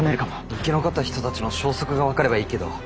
生き残った人たちの消息が分かればいいけど。